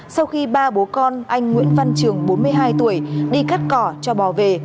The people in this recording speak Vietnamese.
sau khi ba bố con anh nguyễn văn trường bốn mươi hai tuổi đi cắt cỏ cho bò về